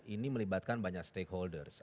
ini melibatkan banyak stakeholders